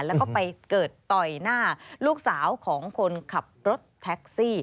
แล้วก็ไปเกิดต่อยหน้าลูกสาวของคนขับรถแท็กซี่